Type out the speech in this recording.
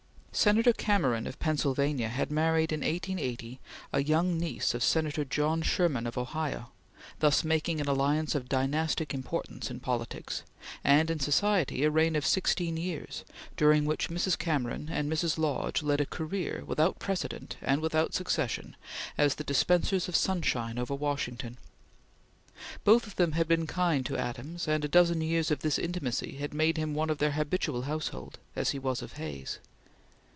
Senator Cameron of Pennsylvania had married in 1880 a young niece of Senator John Sherman of Ohio, thus making an alliance of dynastic importance in politics, and in society a reign of sixteen years, during which Mrs. Cameron and Mrs. Lodge led a career, without precedent and without succession, as the dispensers of sunshine over Washington. Both of them had been kind to Adams, and a dozen years of this intimacy had made him one of their habitual household, as he was of Hay's.